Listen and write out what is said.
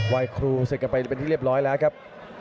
ครูเสร็จกันไปเป็นที่เรียบร้อยแล้วครับ